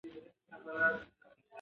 کار د انسان اراده پیاوړې کوي